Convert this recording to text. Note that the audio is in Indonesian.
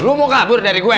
lu mau kabur dari gue